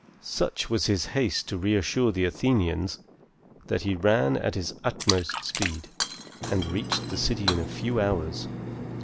Such was his haste to reassure the Athenians, that he ran at his utmost speed, and reached the city in a few hours.